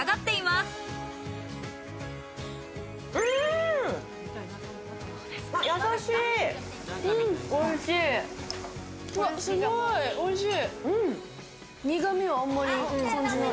すごいおいしい。